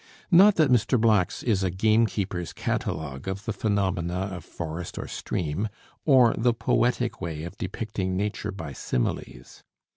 Not that Mr. Black's is a game keeper's catalogue of the phenomena of forest or stream, or the poetic way of depicting nature by similes.